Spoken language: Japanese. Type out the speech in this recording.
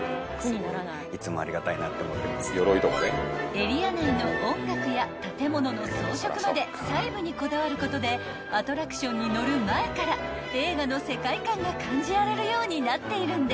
［エリア内の音楽や建物の装飾まで細部にこだわることでアトラクションに乗る前から映画の世界観が感じられるようになっているんです］